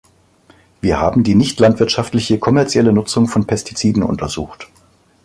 Wir haben die nicht-landwirtschaftliche, kommerzielle Nutzung von Pestiziden untersucht.